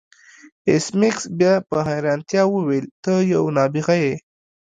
ایس میکس بیا په حیرانتیا وویل ته یو نابغه یې